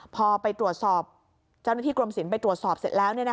พอไปตรวจสอบเจ้าหน้าที่กรมศิลป์ไปตรวจสอบเสร็จแล้ว